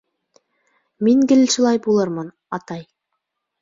Мин гел шулай булырмын, атай.